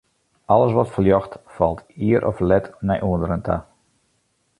Alles wat fljocht, falt ier of let nei ûnderen ta.